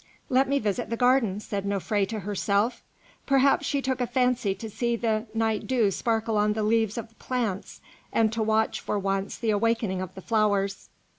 "Let me visit the garden," said Nofré to herself; "perhaps she took a fancy to see the night dew sparkle on the leaves of the plants and to watch for once the awakening of the flowers."